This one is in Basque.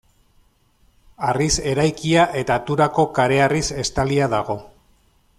Harriz eraikia eta Turako kareharriz estalia dago.